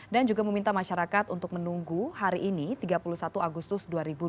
dan juga meminta masyarakat untuk menunggu hari ini tiga puluh satu agustus dua ribu dua puluh dua